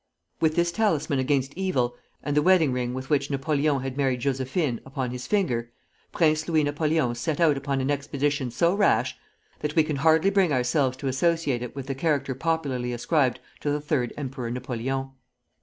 With this talisman against evil, and with the wedding ring with which Napoleon had married Josephine, upon his finger, Prince Louis Napoleon set out upon an expedition so rash that we can hardly bring ourselves to associate it with the character popularly ascribed to the Third Emperor Napoleon.